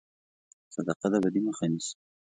صدقه د بدي مخه نیسي.